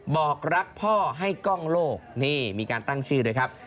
บอกรักพ่อให้กล้องโลกนี่มีการตั้งชื่อด้วยครับ